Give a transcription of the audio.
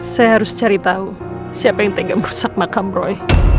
saya harus cari tahu siapa yang tegak merusak makam roy